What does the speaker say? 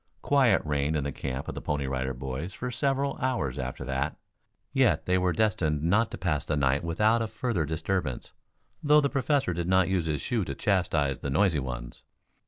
Quiet reigned in the camp of the Pony Rider Boys for several hours after that. Yet they were destined not to pass the night without a further disturbance, though the Professor did not use his shoe to chastise the noisy ones.